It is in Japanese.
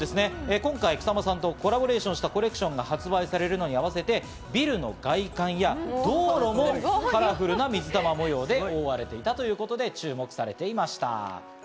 今回、草間さんとコラボレーションしたコレクションが発売されるのに合わせて、ビルの外観や道路もカラフルな水玉模様で覆われていたということで、注目されていました。